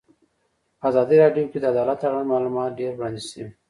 په ازادي راډیو کې د عدالت اړوند معلومات ډېر وړاندې شوي.